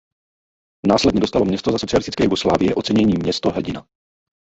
Následně dostalo město za socialistické Jugoslávie ocenění Město hrdina.